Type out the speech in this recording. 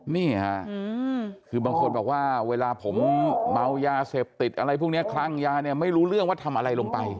นี่ค่ะคือบางคนบอกว่าเวลาผมเมายาเสพติดอะไรพวกนี้คลั่งยาเนี่ยไม่รู้เรื่องว่าทำอะไรลงไป